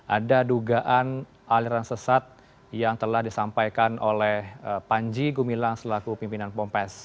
ada dugaan aliran sesat yang telah disampaikan oleh panji gumilang selaku pimpinan pompes